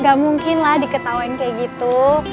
gak mungkin lah diketahui kayak gitu